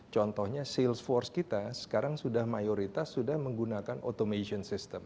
contohnya sales force kita sekarang sudah mayoritas sudah menggunakan automation system